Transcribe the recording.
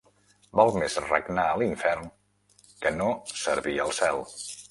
Val més regnar a l'infern que no servir al cel.